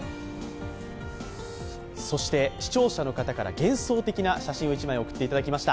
そして視聴者の方から幻想的な写真を１枚、送ってもらいました。